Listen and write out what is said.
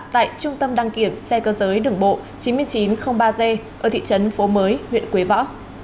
tại trung tâm đăng kiểm xe cơ giới đường bộ chín nghìn chín trăm linh ba g ở thị trấn phố mới huyện quế võ